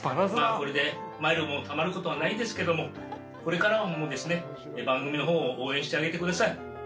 これでマイルもたまることはないですけども、これからもですね、番組のほうを応援してあげてください。